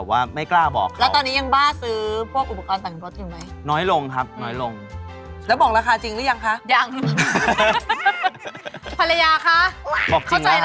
เข้าใจแล้วนะคะฟังนะคะนี่อะอย่างดี